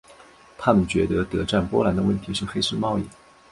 他们觉得德占波兰的问题是黑市贸易。